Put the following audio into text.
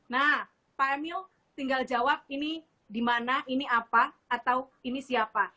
nah pak emil tinggal jawab ini di mana ini apa atau ini siapa